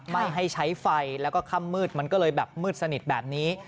ไม่ให้ใช้ไฟแล้วก็ค่ำมืดมันก็เลยแบบมืดสนิทแบบนี้